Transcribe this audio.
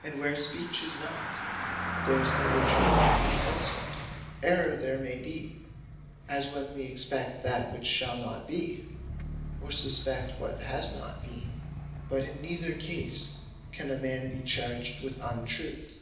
And where Speech in not, there is neither Truth nor Falshood. Errour there may be, as when wee expect that which shall not be; or suspect what has not been: but in neither case can a man be charged with Untruth.